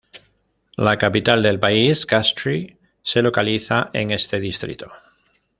La capital del país, Castries, se localiza en este distrito.